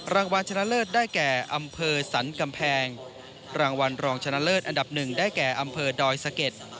รางวัลชนะเลิศได้แก่อำเภอสรรกำแพงรางวัลรองชนะเลิศอันดับหนึ่งได้แก่อำเภอดอยสะเก็ด